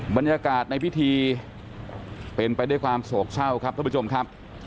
บรรยากาศในพิธีเป็นไปด้วยความโศกเศร้าครับท่านผู้ชมครับ